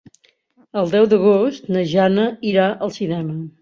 El deu d'agost na Jana irà al cinema.